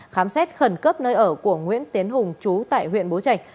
khám xét khẩn cấp nơi ở của nguyễn tiến hùng trú tại huyện bố trạch